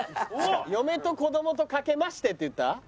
「嫁と子供とかけまして」って言った？